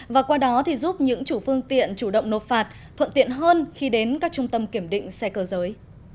và qua đó thì giúp những chủ phương tiện chủ động nộp phạt thuận tiện hơn khi đến các trung tâm kiểm định xe cơ giới